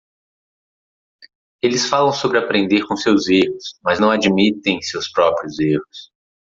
Eles falam sobre aprender com seus erros, mas não admitem seus próprios erros.